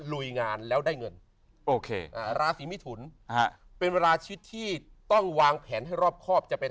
ลุยงานแล้วได้เงินโอเค